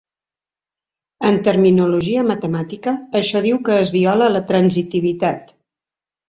En terminologia matemàtica, això diu que es viola la transitivitat.